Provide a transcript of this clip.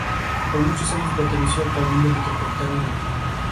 El lema surgió por primera vez durante la Revolución tunecina.